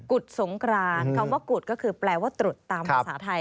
สงกรานคำว่ากุฎก็คือแปลว่าตรุษตามภาษาไทย